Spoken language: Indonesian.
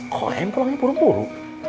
koem pulangnya puru puru